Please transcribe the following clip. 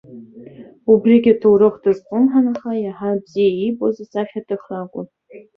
Убригьы аҭоурых дазҿлымҳан, аха еиҳа бзиа иибоз асахьаҭыхракәын.